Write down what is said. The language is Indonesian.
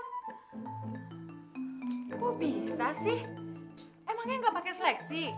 kok bisa sih emangnya enggak pakai seleksi